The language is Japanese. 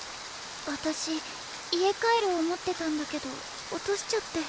私家カエルを持ってたんだけど落としちゃって。